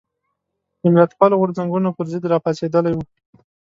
د ملتپالو غورځنګونو پر ضد راپاڅېدلي وو.